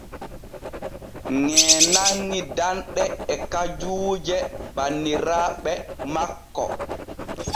Ŋee nanŋi danɗe et kajuuje banniraaɓe makko.